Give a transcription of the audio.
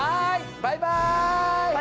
バイバイ！